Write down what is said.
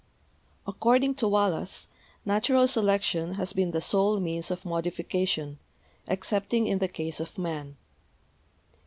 226 BIOLOGY According to Wallace, Natural Selection has been the sole means of modification, excepting in the case of Man.